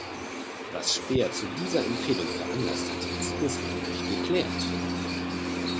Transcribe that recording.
Was Speer zu dieser Empfehlung veranlasst hatte, ist bislang nicht geklärt.